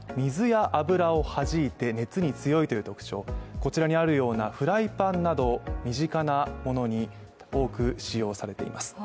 こちらにあるようなフライパンなど、身近なものに多く使用されています。